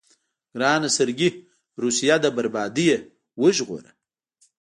ګرانه سرګي روسيه د بربادۍ نه وژغوره.